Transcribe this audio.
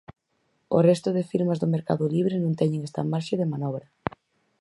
O resto de firmas do mercado libre non teñen esta marxe de manobra.